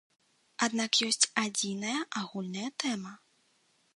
Аднак ёсць адзіная агульная тэма.